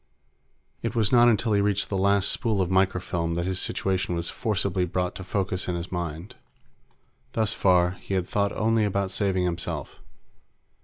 It was not until he reached the last spool of microfilm that his situation was forcibly brought to focus in his mind. Thus far, he had thought only about saving himself.